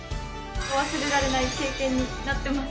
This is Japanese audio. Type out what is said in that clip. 忘れられない経験になってます。